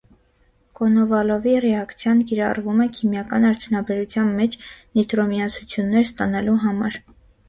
Կոնովալովի ռեակցիան կիրառվում է քիմիական արդյունաբերության մեջ նիտրոմիացություններ ստանալու համար։